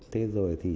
thế rồi thì